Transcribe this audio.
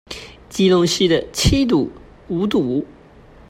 基隆市的七堵、五堵